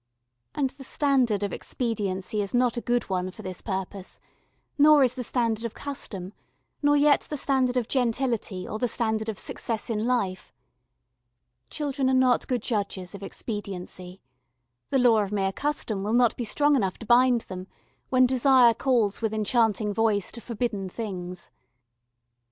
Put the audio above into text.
And the standard of expediency is not a good one for this purpose, nor is the standard of custom, nor yet the standard of gentility or the standard of success in life. Children are not good judges of expediency. The law of mere custom will not be strong enough to bind them when desire calls with enchanting voice to forbidden things.